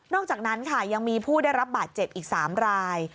อกจากนั้นค่ะยังมีผู้ได้รับบาดเจ็บอีก๓ราย